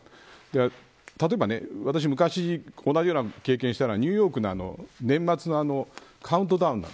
私は昔、同じような経験をしたのはニューヨークの年末のカウントダウン。